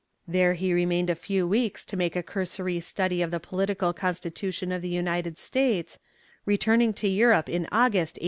There he remained a few weeks to make a cursory study of the political constitution of the United States, returning to Europe in August, 1804.